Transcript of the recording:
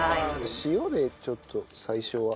塩でちょっと最初は。